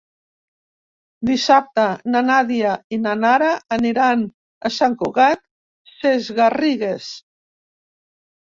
Dissabte na Nàdia i na Nara aniran a Sant Cugat Sesgarrigues.